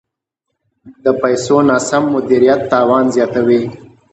د پیسو ناسم مدیریت تاوان زیاتوي.